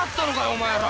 お前ら。